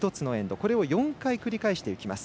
これを４回繰り返していきます。